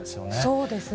そうですね。